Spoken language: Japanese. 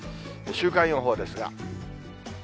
週間予報ですが。